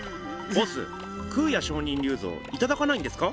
ボス空也上人立像いただかないんですか？